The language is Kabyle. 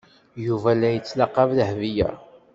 Yuba la yettlaqab Dahbiya.